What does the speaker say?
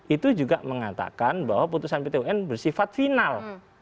itu juga mengatakan bahwa putusan pt un bersifat final